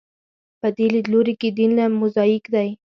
په دې لیدلوري کې دین لکه موزاییک دی.